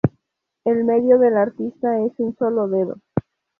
El medio del artista es un solo dedo.